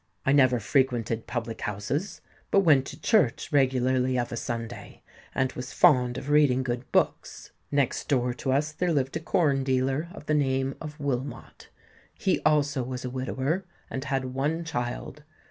I never frequented public houses, but went to church regularly of a Sunday, and was fond of reading good books. Next door to us there lived a corn dealer of the name of Wilmot;—he also was a widower, and had one child.